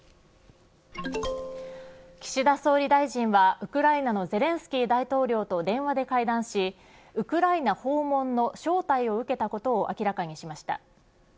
岸田総理大臣は、ウクライナのゼレンスキー大統領と電話で会談しウクライナ訪問の招待を受けたことを明らかにしました。